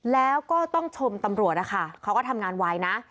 แล้วก็ต้องชมตำรวจนะคะเขาก็ทำงานไวนะ